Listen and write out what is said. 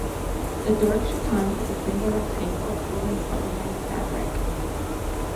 The Doric chiton is a single rectangle of woolen or linen fabric.